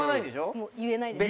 もう言えないです。